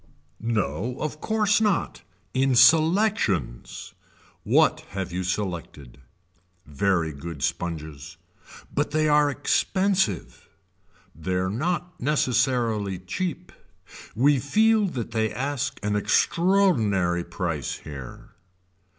No of course not in selections. What have you selected. Very good sponges. But they are expensive. They are not necessarily cheap. We feel that they ask an extraordinary price here.